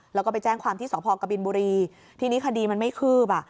เราก็ไปแจ้งความที่สพกบนบุรีที่นี่คดีมันไม่เคลือบ